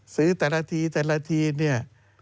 ซื้อแต่ละทีแต่ละที